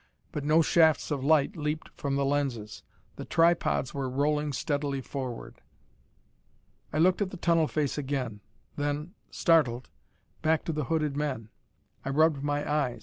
But no shafts of light leaped from the lenses. The tripods were rolling steadily forward. I looked at the tunnel face again, then, startled, back to the hooded men. I rubbed my eyes.